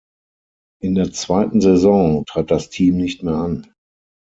In der zweiten Saison trat das Team nicht mehr an.